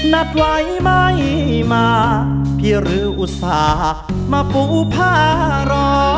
นัดไหวไม่มาพี่รู้สากมาปูพารอ